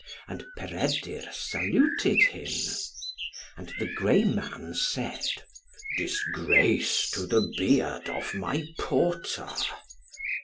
And Peredur saluted him. And the grey man said, "Disgrace to the beard of my porter."